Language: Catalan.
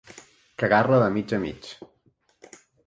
Cagar-la de mig a mig.